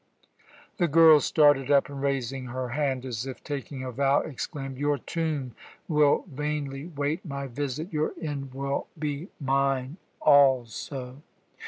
The girl started up and, raising her hand as if taking a vow, exclaimed: "Your tomb will vainly wait my visit; your end will be mine also."